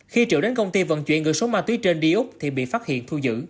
khi triệu đến công ty vận chuyển gửi số ma túy trên đi úc thì bị phát hiện